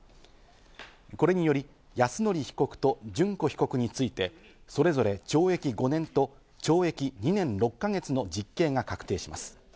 これにより泰典被告と諄子被告について、それぞれ懲役５年と懲役２年６か月の実刑が確定します。